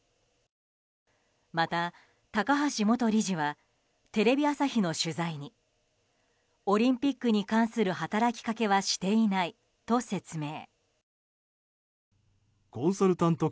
また、高橋元理事はテレビ朝日の取材にオリンピックに関する働きかけはしていないと説明。